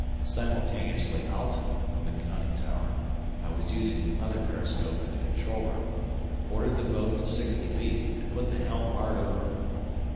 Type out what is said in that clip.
Simultaneously Alten, from the conning tower (I was using the other periscope in the control room), ordered the boat to sixty feet, and put the helm hard over.